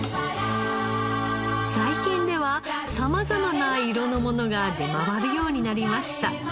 最近では様々な色のものが出回るようになりました。